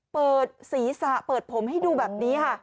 เปิดศีรษะเปิดผมให้ดูแบบนี้ค่ะ